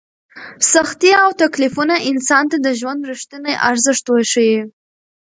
سختۍ او تکلیفونه انسان ته د ژوند رښتینی ارزښت وښيي.